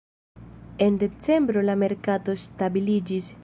En decembro la merkato stabiliĝis.